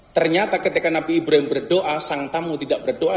ternyata ketika nabi ibrahim berdoa sang tamu tidak berdoa